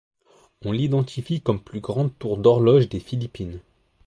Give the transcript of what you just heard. On l'identifie comme plus grande tour d'horloge des Philippines.